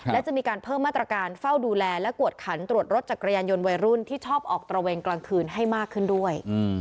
และจะมีการเพิ่มมาตรการเฝ้าดูแลและกวดขันตรวจรถจักรยานยนต์วัยรุ่นที่ชอบออกตระเวนกลางคืนให้มากขึ้นด้วย